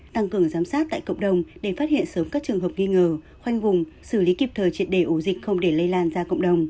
tăng cường giám sát tại cộng đồng để phát hiện sớm các trường hợp nghi ngờ khoanh vùng xử lý kịp thời triệt đề ổ dịch không để lây lan ra cộng đồng